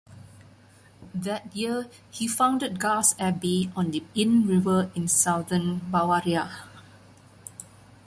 That year he founded Gars Abbey on the Inn River in southern Bavaria.